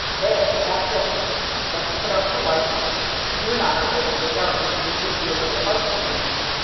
There, that's it ... Let's put out the light! You're not afraid of the dark, when you're with your little husband!"